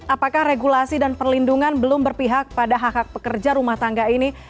apakah regulasi dan perlindungan belum berpihak pada hak hak pekerja rumah tangga ini